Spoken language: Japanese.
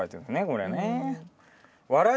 これね。